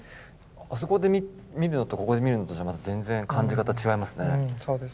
あそこで見るのとここで見るのとじゃまた全然感じ方違いますね。